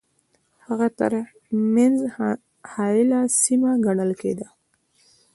هند ترمنځ حایله سیمه ګڼله کېدله.